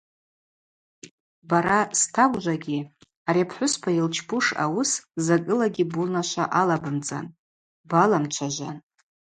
Бара стагвжвагьи ари апхӏвыспа йылчпуш ауыс закӏылагьи бунашва алабымцӏан, баламчважван.